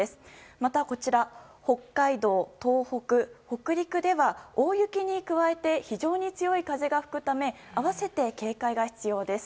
また、北海道、東北、北陸では大雪に加えて非常に強い風が吹くため併せて警戒が必要です。